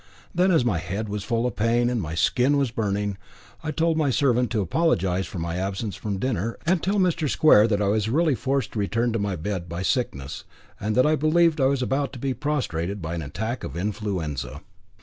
Then, as my head was full of pain, and my skin was burning, I told my servant to apologise for my absence from dinner, and tell Mr. Square that I was really forced to return to my bed by sickness, and that I believed I was about to be prostrated by an attack of influenza.